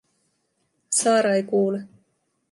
Saara ei kuule.